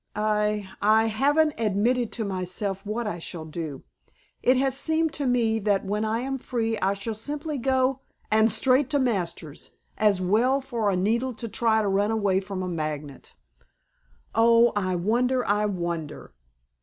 I I haven't admitted to myself what I shall do. It has seemed to me that when I am free I shall simply go " "And straight to Masters. As well for a needle to try to run away from a magnet." "Oh, I wonder! I wonder!"